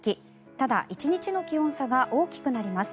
ただ、１日の気温差が大きくなります。